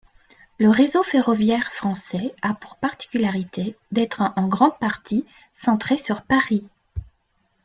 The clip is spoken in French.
Le réseau ferroviaire français a pour particularité d'être en grande partie centré sur Paris.